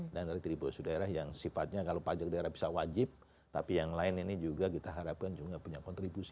dan retribusi daerah yang sifatnya kalau pajak daerah bisa wajib tapi yang lain ini juga kita harapkan juga punya kontribusi